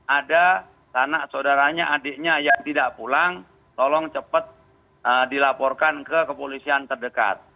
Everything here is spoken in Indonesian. ada anak saudaranya adiknya yang tidak pulang tolong cepat dilaporkan ke kepolisian terdekat